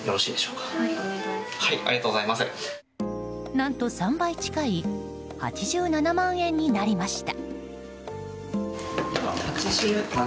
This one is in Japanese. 何と、３倍近い８７万円になりました！